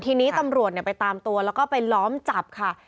ทีนี้ตำรวจไปตามตัวแล้วก็ไปล้อมจับค่ะ